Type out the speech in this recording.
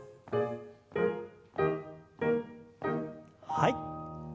はい。